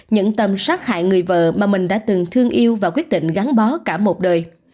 những tâm sát hại người vợ mà mình đã từng thương yêu và quyết định gắn bó cả một đời